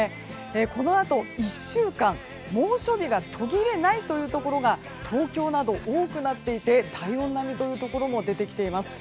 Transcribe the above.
このあと１週間猛暑日が途切れないところが東京など多くなっていて体温並みというところも出てきています。